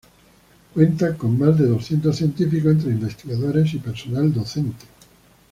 Cuenta con más de doscientos científicos entre investigadores y personal docente.